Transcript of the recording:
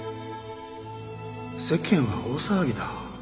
世間は大騒ぎだ。